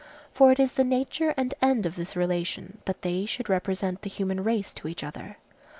For it is the nature and end of this relation, that they should represent the human race to each other.